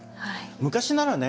昔ならね